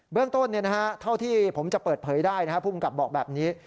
เรื่องต้นเท่าที่ผมจะเปิดเผยได้ภูมิกับบอกแบบนี้